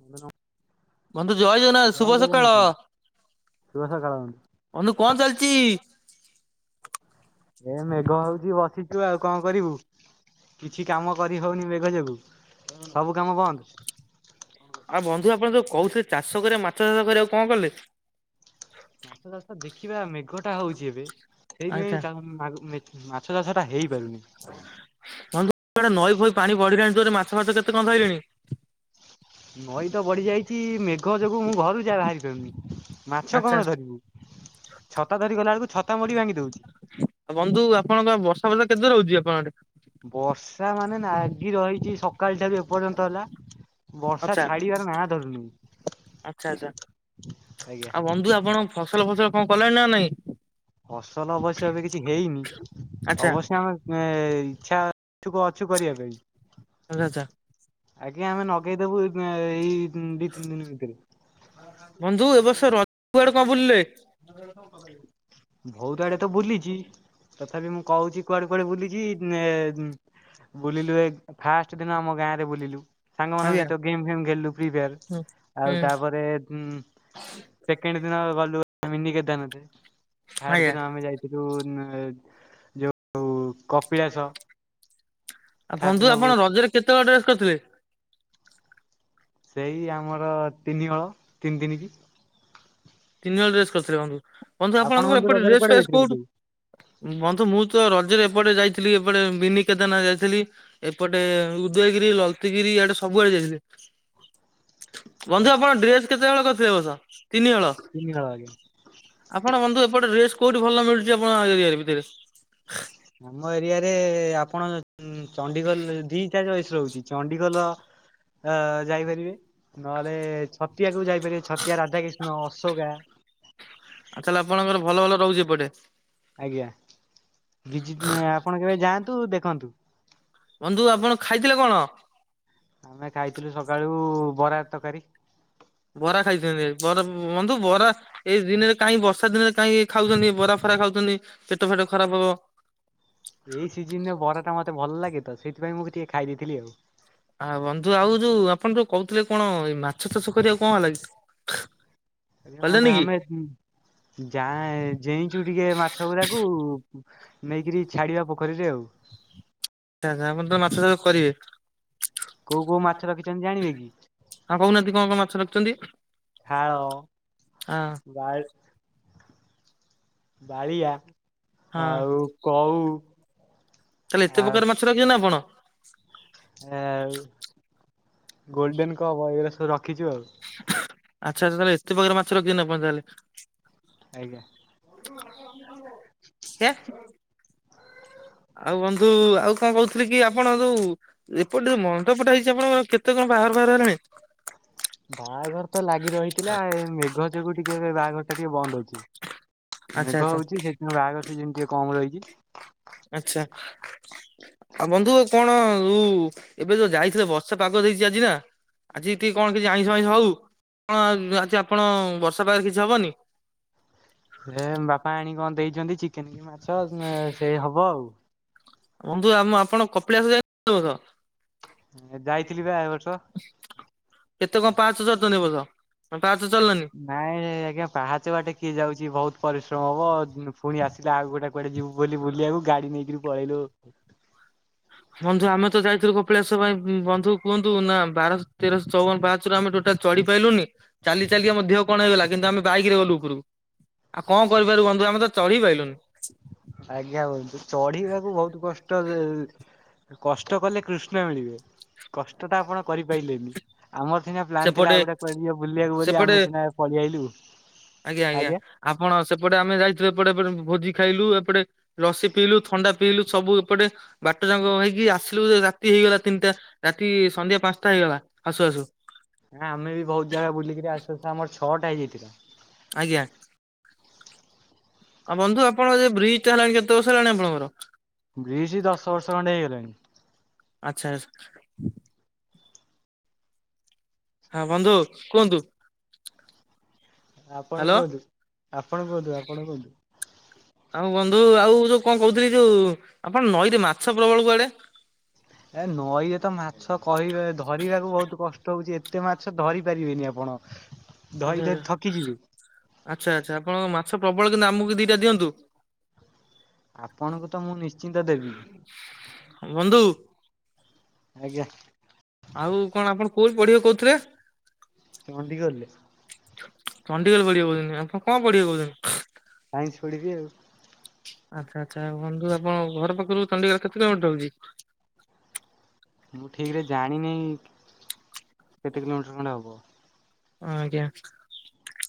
ବନ୍ଧୁ ନମ ବନ୍ଧୁ ଜୟ ଜଗନ୍ନାଥ ଶୁଭ ଜୟ ସକାଳ। ଜଗନ୍ନାଥ ଶୁଭ ସକାଳ ବନ୍ଧୁ। ବନ୍ଧୁ କଣ ଚାଲିଚି? ଏ ମେଘ ହୋଉଚି ବସିଚି ଆଉ କଣ କରିବୁ। କିଛି କାମ କରି ହୋଉନି ମେଘ ଯୋଗୁ ସବୁ କାମ ବନ୍ଦ। ଆଉ ବନ୍ଧୁ ଆପଣ ଯୋଉ କହୁଥିଲେ ଚାଷ କରିବା ମାଛ ଚାଷ କରିବାକୁ କଣ କଲେ? ମାଛ ଚାଷ ଦେଖିବା ମେଘ ଟା ହୋଉଚି ଏବେ ସେଇଥି ଆଚ୍ଛା ପାଇଁ ମାଛ ଚାଷ ଟା ହେଇପାରୁନି। ବନ୍ଧୁ ନଈ ଫୋଇ ପାଣି ବଢିଲାଣି ଜୋରେ ମାଛ ଫାଛ କେତେ କଣ ଧଇଲେଣି? ନଈ ତ ବଢ଼ିଯାଇଛି ମେଘ ଯୋଗୁଁ ମୁଁ ଘରୁକୁ ଯାଏ ବାହାରିପାରୁନି। ମାଛ ଆଚ୍ଛା କଣରେ ଧରିବୁ ଛତା ଧରି ଗଲା ବେଳକୁ ଛତା ମୋଡି ଭାଙ୍ଗି ଦୋଉଚି। ଆଉ ବନ୍ଧୁ ଆପଣଙ୍କ ବର୍ଷା ଫର୍ଷା କେତେ ଜୋରେ ହୋଉଚି ଆପଣଙ୍କ ଆଡେ? ବର୍ଷା ମାନେ ନାଗି ରହିଛି ସକାଳ ଟାରୁ। ଏ ପର୍ଯ୍ୟନ୍ତ ହେଲା ବର୍ଷା ଆଚ୍ଛା ଛାଡିବାର ନାଁ ଧରୁନି। ଆଚ୍ଛା ଆଚ୍ଛା ଆଜ୍ଞା ଆଉ ବନ୍ଧୁ ଆପଣ ଫସଲ ଫସଲ କଣ କଲେଣି ନା ନାଇଁ? ଫସଲ ଅବଶ୍ୟ ଏବେ କିଛି ହେଇନି ଆଚ୍ଛା ଅବଶ୍ୟ ଆମେ ଇଚ୍ଛା ଇଛୁକ ଅଛୁ କରିବା ପାଇଁ। ଆଚ୍ଛା ଆଚ୍ଛା। ଆଜ୍ଞା ଆମେ ନଗେଇଦୋବୁ ଏବେ ଏଇ ଦି ତିନି ଦିନ ଭିତରେ। ବନ୍ଧୁ ଏ ବର୍ଷ ରଜ କୁଆଡେ କଣ ବୁଲିଲେ? ବହୁତ ଆଡେ ତ ବୁଲିଚି ତଥାପି ମୁଁ କହୁଚି କୁଆଡେ କୁଆଡେ ବୁଲିଚି ବୁଲିଲୁ ଏ ଫାଷ୍ଟେ ଦିନ ଆମ ଗାଁରେ ବୁଲିଲୁ। ସାଙ୍ଗ ମାନଙ୍କ ଆଜ୍ଞା ସହିତ ଗେମ୍ ଫେମ୍ ଖେଳିଲୁ ପ୍ରିଫେୟାର ହୁଁ ଆଉ ହୁଁ ତାପରେ ଉଁ ସେକେଣ୍ଡ ଦିନ ଗଲୁ ମିନି କେଦାରନାଥ ଥାର୍ଡ ଆଜ୍ଞା। ଦିନ ଆମେ ଯାଇ ସେ ଯୋଉ ନା ଯୋଉ କପିଳାସ। ଆଉ ଥାର୍ଡ ଦିନ ବନ୍ଧୁ ଆପଣ ବୁ- ରଜରେ କେତେ ହଳ ଡ୍ରେସ୍‌ କରିଥିଲେ? ସେଇ ଆମର ତିନିହଳ ତିନି ଦିନି କି। ତିନି ହଳ ଡ୍ରେସ କରିଥିଲେ ବନ୍ଧୁ ବନ୍ଧୁ ଆପଣ ଆପଣଙ୍କ ହେପଟେ ରଜରେ ଡ୍ରେସ୍‌ କୁଆଡେ ଫ୍ରେସ୍‌ ଯାଇଥିଲେ କୋଉଠୁ ବୁଲିବାକୁ? ବନ୍ଧୁ ମୁଁ ତ ରଜରେ ଏପଟେ ଯାଇଥିଲି ଏପଟେ ବିିନି କେଦରନାଥ ଯାଇଥିଲି। ଏପଟେ ଉଦୟଗିରି ଲଳିତିଗିରି ଇଆଡେ ସବୁଆଡେ ଯାଇଥିଲି। ବନ୍ଧୁ ଆପଣ ଡ୍ରେସ କେତେ ହଳ କରିଥିଲେ ଏ ବର୍ଷ? ତିନି ହଳ ତିନି ହଳ ଆଜ୍ଞା। ଆପଣ ବନ୍ଧୁ ଏପଟେ ରେ ଡ୍ରେସ୍ କୋଉଠି ଭଲ ମିଳୁଛି ଆପଣ ଏରିଆ ଭିତରେ? ଆମ ଏରିଆରେ ଆପଣ ଚଣ୍ଡିଖୋଲ ଧି କା ବେଏସ୍‌ ରହୁଚି ଚଣ୍ଡିଖୋଲ ଆ ଯାଇପାରିବେ ନହେଲେ ଛତିଆକୁ ଯାଇପାରିବେ ଛତିଆ ରାଧାକିଷ୍ଣ ନ ଅଶୋକା ଆ ତାହେଲେ ଆପଣଙ୍କର ଭଲ ଭଲ ରହୁଛି ଏପଟେ? ଆଜ୍ଞା ବି ଯିବି ଆପଣ କେବେ ଯାଆନ୍ତୁ ଦେଖନ୍ତୁ। ବନ୍ଧୁ ଆପଣ ଖାଇଥିଲେ କଣ? ଆମେ ଖାଇଥିଲୁ ସକାଳୁ ବରା ତରକାରୀ। ବରା ଖାଇଛନ୍ତି ବରା ବନ୍ଧୁ ବରା ଏଇ ଦିନରେ କାହିଁ ବର୍ଷା ଦିନରେ କାହିଁ ଖାଉଛନ୍ତି ବରା ଫରା ଖାଉଛନ୍ତି ପେଟ ଫେଟ ଖରାପ୍ ହବ। ଏଇ ସିଜିନ ରେ ବରା ଟା ମତେ ଭଲ ଲାଗେ ତ ସେଇଥିପାଇଁ ମୁଁ ଟିକେ ଖାଇ ଦେଇଥିଲି ଆଉ। ଆଉ ବନ୍ଧୁ ଆଉ ଯୋଉ ଆପଣ ଯୋଉ କହୁଥିଲେ କଣ ଏଇ ମାଛ ଚାଷ କରିବାକୁ କଣ ହେଲା କି? ଆଜ୍ଞା କନ୍ତୁ କଲେନି କି? ଆମେ ଯା ଯେଇଁଛୁ ଟିକେ ମାଛ ଗୁଡାକୁ ନେଇକିରି ଛାଡ଼ିବା ପୋଖରୀରେ ଆଉ। ଆଛା ଆପଣ ତ ମାଛ ଚାଷ କରିବେ। କୋଉ କୋଉ ମାଛ ରଖିଛନ୍ତି ଜାଣିବେ କି ହଁ କହୁନାହାନ୍ତି କଣ କଣ ମାଛ ରଖିଛନ୍ତି? ଫଳ, ହଁ ବା ବାଳିଆ ହଁ ଆଉ କଉ ଆଉ ରଖିଛନ୍ତିନା ଆପଣ? ଆଉ ଗୋଲଡେନ କପ ଏଇଗୁଡା ସବୁ ରଖିଛୁ ଆଉ। ଆଚ୍ଛା ଆଛା ତାହେଲେ ଏତେ ପ୍ରକାରେ ମାଛ ରଖିଛନ୍ତି ଆପଣ ତାହାଲେ। ଆଜ୍ଞା। [unintelligible] ଆଉ ବନ୍ଧୁ ଆଉ କଣ କହୁଥିଲି କି ଆପଣ ଯୋଉ ଏପଟେ ଯୋଉ ମଣ୍ଡପଟା ହେଇଛି ଆପଣଙ୍କ କେତେ କଣ ବାହାର ବାହାଘର ହେଲାଣି? [inaudible] ବାହାଘର ତ ଲାଗି ରହିଥିଲା ଏ ମେଘ ଯୋଗୁ ଟିକେ ବାହାଘର ଟା ଟିକେ ବନ୍ଦ ଅଛି। ଆଚ୍ଛା ମେଘ ଆଚ୍ଛା ହଉଛି ସେଥିପାଇଁ ବାହାଘର ସିଜେନ ଟିକେ କମ ରହିଛି। ଆଛା। ଆଉ ବନ୍ଧୁ କଣ ଉ ଏବେ ଯୋଉ ଯାଇଥିଲ ବର୍ଷା ପାଗ ଦେଇଛି ଆଜି ନା। ଆଜି ଟିକେ କଣ କିଛି ଆଇଁଷ ଫାଇଁଷ ହଉ କଣ ଆଜି ଆପଣ ବର୍ଷା ପାଗରେ କିଛି ହବନି? ସେ ବାପା ଆଣିକି କଣ ଦେଇଛନ୍ତି ଚିକେନ କି ମାଛ ସେଇ ହବ ଆଉ। ବନ୍ଧୁ ଆମ ଆପଣ କପିଳାସ ଯାଇ ଚନ୍ତି ଏ ବର୍ଷ। ହେ ଯାଇଥିଲି ବା। ଏ ବର୍ଷ। କେତେ କଣ ପାହାଚ ଚଡ଼ଚନ୍ତି ଏ ବର୍ଷ ନା ପାହାଚ ଚଲିଲେନି? ନାଇଁ ଆଜ୍ଞା ପାହାଚ ବାଟେ କିଏ ଯାଉଛି ବହୁତ ପରିଶ୍ରମ ହବ ପୁଣି ଆସିଲେ ଆଉ ଗୋଟେ କୁଆଡେ ଯିବୁ ବୋଲି ବୁଲିବାକୁ ଗାଡି ନେଇକିରି ପଳେଇଲୁ। ବନ୍ଧୁ ଆମେ ତ ଯାଇଥିଲୁ କପିଳାସ ଭାଇ ବନ୍ଧୁ କୁହନ୍ତୁ ନା ବାରଶହ ତେରଶହ ଚଉବନ ପାହଚରୁ ଆମେ ଟୋଟାଲ ଚଢି ପାଇଲୁନି ଚାଲି ଚାଲିକି ଆମ ଦେହ କଣ ହେଇଗଲା କିନ୍ତୁ ଆମେ ବାଇକ ରେ ଗଲୁ ଉପରୁକୁ। ଆଉ କଣ କରିପାରିବୁ ବନ୍ଧୁ ଆମେ ତ ଚଢି ପାଇଲୁନି। ଆଜ୍ଞା ବନ୍ଧୁ ଚଢିବାକୁ ବହୁତ କଷ୍ଟ ଯେ କଷ୍ଟ କଲେ କୃଷ୍ଣ ମିଳିବେ କଷ୍ଟ ଟା ଆପଣ କରିପାରିଲେନି ଆମର ସିନା ପ୍ଲାନ୍ ଥିଲା ସେପଟେ ଆଉ ଗୋଟେ କୁଆଡେ ଯେ ବୁଲିବାକୁ ବୋଲି ସେପଟେ ଆମେ ସିନା ପଳୀ ଆଇଲୁ ଆଜ୍ଞା। ଆପଣ ସେପଟେ ଆମେ ଯାଇଥିଲୁ ଏପଟେଟେ ଭୋଜି ଖାଇଲୁ ଏପଟେ ରସି ପିଇଲୁ ଥଣ୍ଡା ପିଇଲୁ ସବୁ ଏପଟେ ବାଟ ଯାକ ହେଇକି ଆସିଲୁ ରାତି ହେଇଗଲା ତିନିଟା। ରାତି ସନ୍ଧ୍ୟା ପାଞ୍ଚଟା ହେଇଗଲା ଆସୁ ଆସୁ। ହଁ ଆମେ ବି ବହୁତ ଜାଗା ବୁଲିକିରି ଆସୁ ଆସୁ ଆମର ଛଅଟା ହେଇଯାଇଥିଲା। ଆଜ୍ଞା। ଆଉ ବନ୍ଧୁ ଆପଣର ବ୍ରିଜ ଟା ହେଲାଣି କେତେ ବର୍ଷ ହେଲାଣି ଆପଣଙ୍କର? ବ୍ରିଜ ଦଶ ବର୍ଷ ଖଣ୍ଡେ ହେଇଗଲାଣି। ଆଚ୍ଛା ଆଛା। ହଁ ବନ୍ଧୁ କୁହନ୍ତୁ। ଆପଣ ହ୍ୟାଲୋ। କୁହନ୍ତୁ, ଆପଣ କୁହନ୍ତୁ, ଆପଣ କୁହନ୍ତୁ। ଆଉ ବନ୍ଧୁ ଆଉ ଯୋଉ କଣ କହୁଥିଲି ଯୋଉ ଆପଣ ନଈରେ ମାଛ ପ୍ରବଳ କୁଆଡେ? [inaudible] ଏ ନଈ ଇଏ ତ ମାଛ କହିବେ ଧରିବାକୁ ବହୁତ କଷ୍ଟ ହଉଛି ଏତେ ମାଛ ଧରି ପାରିବେନି ଆପଣ। ଧରି ଆଚ୍ଛା ଧରି ଆଚ୍ଛା ଥକିଯିବେ ଆଚ୍ଛା ଆଚ୍ଛା ଆପଣଙ୍କ ମାଛ ପ୍ରବଳ କିନ୍ତୁ ଆମକୁ ଦିଟା ଦିଅନ୍ତୁ। ଆପଣଙ୍କୁ ତ ମୁଁ ନି ବନ୍ଧୁ ଆଜ୍ଞା ଆଉ କଣ ଆପଣ କୋଉଠି ପଢିବେ କଉଥିଲେ? ଚଣ୍ଡିଖୋଲ ରେ। ଚଣ୍ଡିଖୋଲ ପଢିବେ କହୁଚନ୍ତିି, ଆପଣ କଣ ପଢିବେ କହୁଚନ୍ତିି? ସାଇନ୍ସ ପଢ଼ିବି ଆଉ। ଆଚ୍ଛା ଆଚ୍ଛା ବନ୍ଧୁ ଆପଣ ଘର ପାଖରୁ ଚଣ୍ଡି [unintelligible] କେତେ [unintelligible] ମୁଁ ଠିକ ରେ ଜାଣିନେଇ, କେତେ କିଲୋମିଟର ଖଣ୍ଡେ ହବ। ଆଜ୍ଞା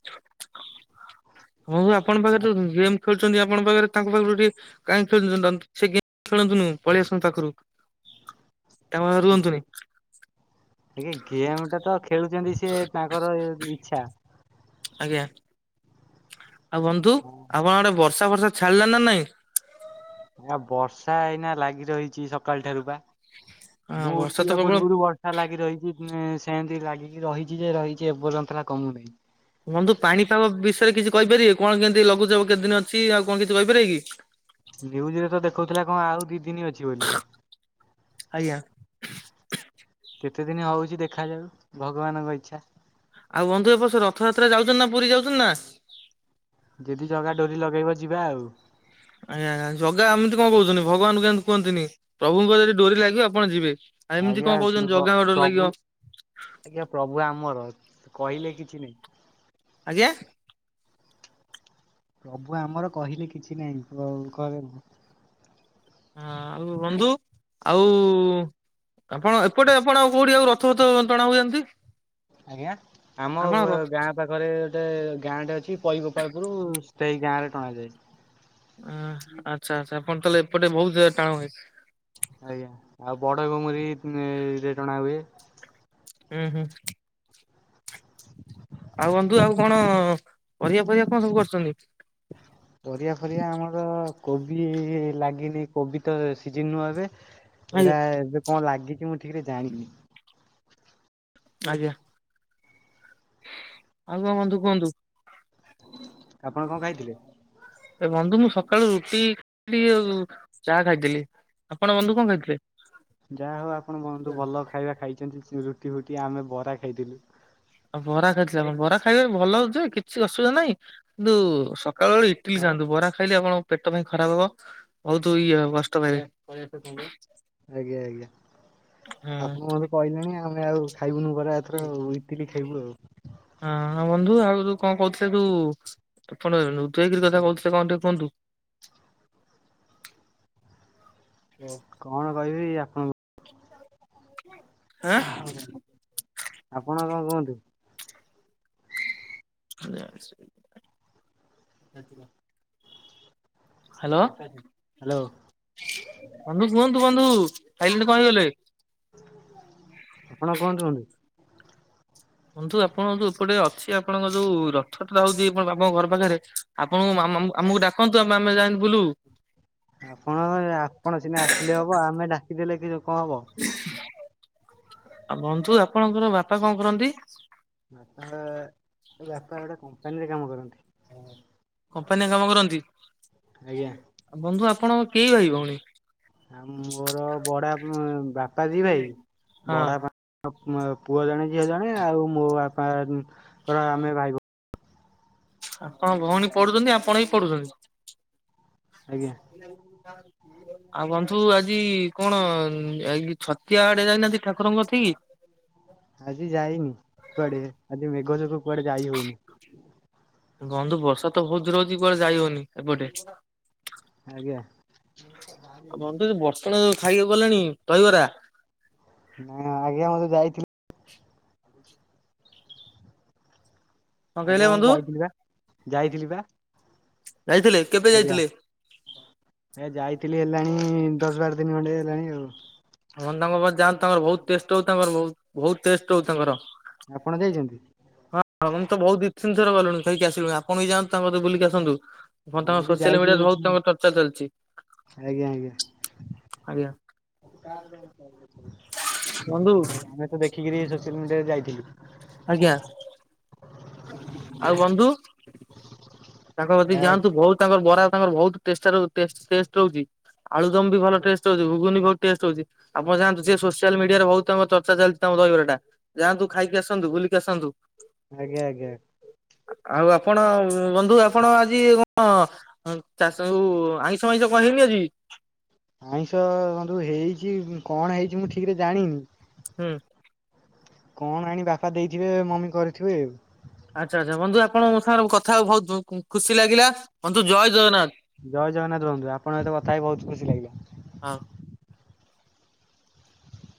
ହଉ ଆପଣ ପାଖରେ ଯୋଉ ଉଁ ଗେମ ଖେଳୁଚନ୍ତି ଆପଣ ପାଖରେ ତାଙ୍କ ପାଖରୁ ଟିକେ କାହିଁ ଖେଳୁଚନ୍ତି [unintelligible] [unintelligible] ଗେ ଗେମ ଟା ତ ଖେଳୁଚନ୍ତି ସିଏ ତା ଙ୍କର ଇଚ୍ଛା। ଆଜ୍ଞା। ଆଉ ବନ୍ଧୁ ଆପଣ ଆଡେ ବର୍ଷା ଫର୍ଷା ଛାଡିଲା ନା ନାଇଁ? ଆ ବର୍ଷା ଏଇନା ଲାଗି ରହିଚି ସକାଳ ଠାରୁ। ହଁ ମୁଁ ବର୍ଷା ତ ଉଠିବା ପ୍ରବଳ ପୂର୍ବରୁ ବ ଲାଗି ରହିଚି ଉଁ ସେମିତି ଲାଗିକି ରହିଚି ଯେ ରହିଚି ଏ ପର୍ଯ୍ୟନ୍ତରା କମୁନି। ବନ୍ଧୁ ପାଣିପାଗ ବିଷୟରେ କିଛି କହିପାରିବେ କଣ କେମିତି ଲଘୁଚାପ କେଦିନ ଅଛି ଆଉ କଣ କିଛି କହିପାରିବେ କି? ନ୍ୟୁଜ ରେ ତ ଦେଖଉଥିଲା କଣଁ ଆଉ ଦି ଦିନି ଅଛି ବୋଲି। ଆଜ୍ଞା। କେତେ ଦିନ ହଉଚି ଦେଖାଯାଉ? ଭଗବାନଙ୍କ ଇଚ୍ଛା। ଆଉ ବନ୍ଧୁ ଏବର୍ଷ ରଥଯାତ୍ରାରେ ଯାଉଚନ୍ତି ନା ପୁରୀ ଯାଉଚନ୍ତି ନା? ଯଦି ଜଗା ଡୋରି ଲଗେଇବ ଯିବା ଆଉ। ଆଜ୍ଞାା ଜଗା ଏମିତି କଣ କହୁଚନ୍ତି, ଭଗବାନଙ୍କୁ କୁହନ୍ତିିନି। ପ୍ରଭୁଙ୍କର ଯଦି ଡୋରି ଲାଗିବ ଆପଣ ଯିବେ। ଆଉ ଏମିତି ଆଜ୍ଞା କଣ କହୁଛନ୍ତି ବ ଜଗାଙ୍କ ଡୋରି ଲାଗିବ ପ୍ରଭୁ ଆଜ୍ଞା ପ୍ରଭୁ ଆମର କହିଲେ କିଛି ନାହିଁ। ଆଜ୍ଞା। ପ୍ରଭୁ ଆମର କହିଲେ କିଛି ନାହିଁ କଉ କ କ ହଁ ଆଉ ବନ୍ଧୁ ଆଉ ଆପଣ ଏପଟେ ଆପଣ ଆଉ କୋଉଠି ଆଉ ର [unintelligible] ଟଣା ହୋଉଛି। ଆଜ୍ଞା ଆମ ଗାଁ ପାଖରେ ଗୋଟେ ଗାଁ ଟେ ଅଛି ପଇଗୋପାଳପୁର ସେଇ ଗାଁ ରେ [unintelligible] ଉଁ ହଁ ଆଚ୍ଛା ଆଚ୍ଛା ଆପଣ ତାହେଲେ ଏପଟେ ବୋହୁତ [unintelligible] ଆଜ୍ଞା ଆଉ ବଡଗୁମୁରି ରେ ଟଣା ହୁଏ। ଉଁ ହୁଁ। [inaudible] ଆଉ ବନ୍ଧୁ ଆଉ କଣ ପରିବା ଫରିବା କଣ ସବୁ କରଚନ୍ତି। [inaudible] ପରିବା ଫରିବା ଆମର କୋବି ଲାଗିନି କୋବି ତ ଏ ସିଜ ନୁଆ ଏବେ। ଆଜ୍ଞା ଏରା ଏବେ କଣଁ ଲାଗିଚି ମୁଁ ଠିକରେ ଜାଣିନି। ଆଜ୍ଞା। ଆଉ କଣଁ ବନ୍ଧୁ କୁହନ୍ତୁ? ଆପଣ କଣଁ ଖାଇଥିଲେ? ଏ ବନ୍ଧୁ ମୁଁ ସକାଳୁ ରୁଟି ଆଉ ଚା ଖାଇଥିଲି। ଆପଣ ବନ୍ଧୁ କଣ ଖାଇଥିଲେ? ଯା ହଉ ଆପଣ ବନ୍ଧୁ ଭଲ ଖାଇବା ଖାଇଚନ୍ତି, ରୁଟି ଫୁଟି ଆମେ ବରା ଖାଇଥିଲୁ। ଆଉ ବରା ଖାଇଥିଲେ ଆପଣ ବରା ଖାଇବା ଭଲ ଯେ କିଛି ଅସୁବିଧା ନାଇଁ କିନ୍ତୁ ସକାଳ ଓଳି ଇ ଲି ଖାଆନ୍ତୁ ବରା ଖାଇଲେ ଆପଣଙ୍କ ପେଟ କାଇଁ ଖରାପ ହବ? ବହୁତ ଇଏ କଷ୍ଟ ପାଇବେ, ହୁଁ। ଆଜ୍ଞା ଆଜ୍ଞା ଆପଣ ମତେ କହିଲେଣି ଆମେ ଆଉ ଖାଇବୁନୁ ବରା ଏଥର ଇଟିଲ ଖାଇବୁ ଆଉ। ହଁ ହଁ ବନ୍ଧୁ ଆଉ ଯୋଉ କଣ କହୁଥିଲେ ଯୋଉ ଆପଣ [unintelligible] ଉଦୟଗିରି କଥା କହୁଥିଲେ କଣ ଟିକେ କୁହନ୍ତୁ? କଣ କହିବି ଆପଣଙ୍କୁ? ହଁ। ଆପଣ କଣ କୁହନ୍ତୁ? [unintelligible] ହ୍ୟାଲୋ ହ୍ୟାଲୋ ବନ୍ଧୁ କୁହନ୍ତୁ ବନ୍ଧୁ ସାଇଲେଣ୍ଟ କଣ ହେଇଗଲେ? ଆପଣ କୁହନ୍ତୁ ବନ୍ଦୁ? ବନ୍ଧୁ ଆପଣଙ୍କ ଯୋଉ ଏପଟେ ଅଛି ଆପଣଙ୍କ ଯୋଉ ରଥ ଟରା ହଉଛି ଆପ ବାପଙ୍କ ଘର ପାଖରେ ଆପଣଙ୍କୁ ମାମ ମାମ୍ ଆମ ଆମକୁ ଡାକନ୍ତୁ ଆମେ ଆମେ ଯାଇକି ବୁଲୁ। ଆପଣ [unintelligible] ଆପଣ ସିନା ଆସିଲେ ହବ ଆମେ ଡାକିଦେଲେ କିରେ କଁ ହବ। ଆ ବନ୍ଧୁ ଆପଣଙ୍କର ବାପା କଁ କରନ୍ତି? ବାପା ବାପା ଗୋଟେ କମ୍ପାନୀରେ କାମ କରନ୍ତି। କମ୍ପାନୀ ରେ କାମ କରନ୍ତି ଆଜ୍ଞା ବନ୍ଧୁ ଆପଣ କେହି ଭାଇ ଭଉଣୀ? ଆ ମୋର ବଡା ବାପ [unintelligible] ବଡ଼ ବାପା ପୁଅ ଜଣେ ଝିଅ ଜଣେ ଆଉ ମୋ ବାପା ପୁରା ଆମେ ଭାଇ ଭୋ ଆପଣଙ୍କ ଭଉଣୀ ପଢୁଚନ୍ତି ଆପଣ ବି ପଢୁଚନ୍ତି? ଭଉଣୀ ଆଜ୍ଞା ଆଉ ବନ୍ଧୁ ଆଜି କଣ ଏ ଗି ଛତିଆ ଆଡେ ଯାଇନାହାନ୍ତି ଠାକୁରଙ୍କ କଥିକି? ଆଜି ଯାଇନି କୁଆଡେ ଆଜି ମେଘ ଯୋଗ କୁଆଡେ ଯାଇ ହଉନି। ଘନ୍ଧୁ ବର୍ଷା ତ ବହୁତ ଜୋରରେ ହଉଛି କୁଆଡ଼େ ଯାଇ ହଉନି। ଏପଟେ। ଆଜ୍ଞା ଆ ବନ୍ଧୁ ବର୍ଷ ଆପଣ ଖାଇବାକୁ ଗଲେଣି ଦହିବରା? ନା ଆଗ ମୁଁ ଯାଇଥିଲି କଣ କହିଲେ ଆଜ୍ଞା ମୁଁ ବନ୍ଧୁ ଯାଇଥିଲି ବା ଯାଇଥିଲି ବା ଯାଇଥିଲେ କେବେ ଆଜ୍ଞା। ଯାଇଥିଲେ? ସେ ଯାଇଥିଲି ହେଲାଣି ଦଶ ବାର ଦୀନି ଖଣ୍ଡେ ହେଲାଣି ଆଉ। ଆପନ ତାଙ୍କ ପାଖୁ ଯାନ୍ତୁ ତାଙ୍କର ବହୁତ ଟେଷ୍ଟ ହଉ ତାଙ୍କର ବହୁତ। ବହୁତ ଟେଷ୍ଟ ହଉ ତାଙ୍କର ଆପଣ ଯାଇଛନ୍ତି? ହଁ ଆମେନ ତ ବହୁତ ଦି ତିନ ଥର ଗଲୁଣି ଖାଇକି ଆସିଲୁଣି ଆପଣ ବି ଯାନ୍ତୁ ତାଙ୍କ କଥି ବୁଲିକି ଆସନ୍ତୁ। ବ ଆମେ ତାଙ୍କ ବି ସୋସିଆଲ ମିଡିଆରେ ଯାଇଛୁ ବହୁତ ତାଙ୍କର ଚର୍ଚ୍ଚା ଚାଲିଚି। ଆଜ୍ଞା ଆଜ୍ଞା। ବନ୍ଧୁ ଆମେ ତ ଦେଖିକିରି ସୋସିଆଲ ମିଡିଆରେ ଯାଇଥିଲୁ। ଆଜ୍ଞା। ଆଉ ବନ୍ଧୁ? [inaudible] ତାଙ୍କ ତିକି ଯାଆନ୍ତୁ ବହୁତ ତାଙ୍କର ବରା ତାଙ୍କର ବହୁତ ଟେସେ ଟେସ୍ ଟେଷ୍ଟ ରହୁଚି ଆଳୁ ଦମ ବି ଭଲ ଟେଷ୍ଟ ସ୍ ହଉଛି ଘୁଗୁନି ବହୁତ ଟେଷ୍ଟ ହଉଚି ଆପଣ ଯାନ୍ତୁ ସେ ସୋସିଆଲ ମିଡିଆରେ ବହୁତ ତାଙ୍କ ଚର୍ଚ୍ଚା ଚାଲିଚି ତାଙ୍କର ଦହିବରାଟା। ଯାଆନ୍ତୁ ଖାଇକି ଆସନ୍ତୁ ବୁଲିକି ଆସନ୍ତୁ। ଆଜ୍ଞା ଆଜ୍ଞା। ଆଉ ଆପଣ ଉମ ନ୍ଧୁ ଆପଣ ଆଜି କଣ ଚାଷ ଯଉ ଆଇଁଷ ଆଇଁଷ କରିନେ ଆଜି? ଆଇଁଷ ବନ୍ଧୁ ହେଇଚି କଣ ହେଇଚି ମୁଁ ଠିକ ରେ ଜାଣିନି। ହୁଁ। କଣ ଆଣି ବାପା ଦେଇଥିବେ ମମି କରିଥିବେ। ଆଚ୍ଛା ଆଚ୍ଛା ବନ୍ଧୁ ଆପଣଙ୍କ ସାଙ୍ଗରେ କଥା ବହୁତ ଭୋକ ଖୁସି ଲାଗିଲା ବନ୍ଧୁ ଜୟ ଜଗନ୍ନାଥ। ଜୟ ଜଗନ୍ନାଥ ବନ୍ଧୁ ଆପଣଙ୍କ ସହ କଥା ହେଇକି ବହୁତ ଖୁସି ଲାଗିଲା। ହଁ।